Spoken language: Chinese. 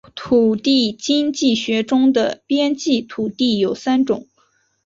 土地经济学中的边际土地有三种